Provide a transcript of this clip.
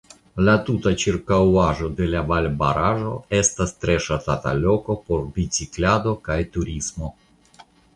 La tuta ĉirkaŭaĵo de la valbaraĵo estas tre ŝatata loko por biciklado kaj turismo.